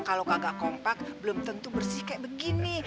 kalau kagak kompak belum tentu bersih kayak begini